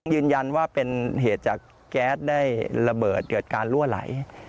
ยืนยันว่าเป็นเหตุจากแก๊สได้ระเบิดเกิดการลั่วไหล